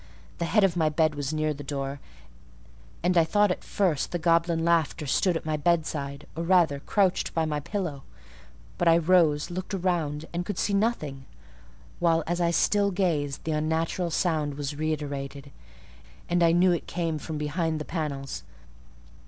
The head of my bed was near the door, and I thought at first the goblin laugher stood at my bedside—or rather, crouched by my pillow: but I rose, looked round, and could see nothing; while, as I still gazed, the unnatural sound was reiterated: and I knew it came from behind the panels.